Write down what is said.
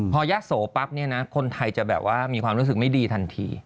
พอยะโสปั๊บคนไทยจะว่ามีความรู้สึกไม่ดีทันที